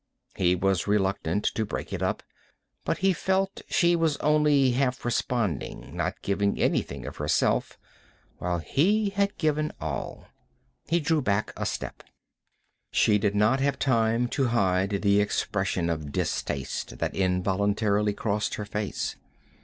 He was reluctant to break it up, but he felt she was only half responding, not giving anything of herself while he had given all. He drew back a step. She did not have time to hide the expression of distaste that involuntarily crossed her face.